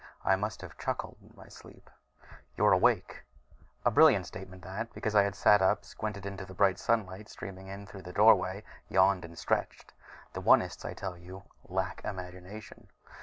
I must have chuckled in my sleep. "You're awake." A brilliant statement, that because I had sat up, squinted into the bright sunlight streaming in through the doorway, yawned and stretched. The Onists, I tell you, lack imagination.